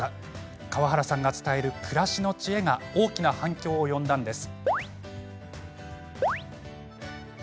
川原さんが伝える暮らしの知恵が大きな反響を呼んだのです。